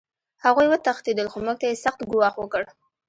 هغوی وتښتېدل خو موږ ته یې سخت ګواښ وکړ